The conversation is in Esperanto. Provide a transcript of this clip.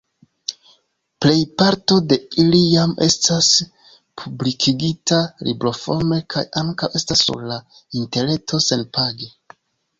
Plejparto de ili jam estas publikigita libroforme kaj ankaŭ estas sur la interreto senpage.